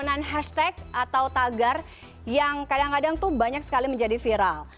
dengan hashtag atau tagar yang kadang kadang tuh banyak sekali menjadi viral